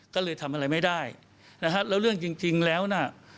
ก็เลยทำอะไรไม่ได้นะฮะแล้วเรื่องจริงจริงแล้วน่ะ